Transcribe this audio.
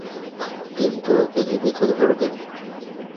কিন্তু ওকে জীবিত ধরবে।